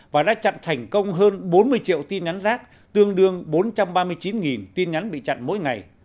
và đã chặn thành công hơn bốn mươi triệu tin nhắn rác tương đương bốn trăm ba mươi chín tin nhắn bị chặn mỗi ngày